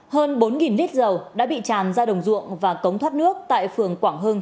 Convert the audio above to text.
hơn bốn lít dầu đã bị tràn ra đồng ruộng và cống thoát nước tại phường quảng hưng